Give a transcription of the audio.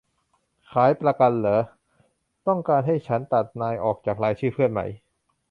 ขายประกันหรอ ต้องการให้ฉันตัดนายออกจากรายชื่อเพื่อนไหม